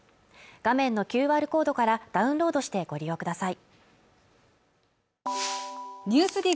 画面のＱＲコードからダウンロードしてご利用ください